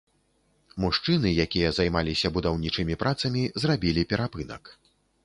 Мужчыны, якія займаліся будаўнічымі працамі, зрабілі перапынак.